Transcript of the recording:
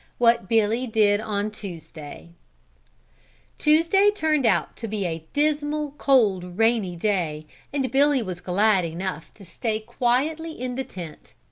What Billy Did on Tuesday Tuesday turned out to be a dismal, cold, rainy day and Billy was glad enough to stay quietly in the tent.